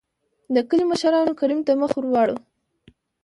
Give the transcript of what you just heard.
دکلي مشرانو کريم ته مخ ور ور واړو .